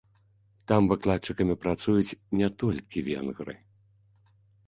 Там выкладчыкамі працуюць не толькі венгры.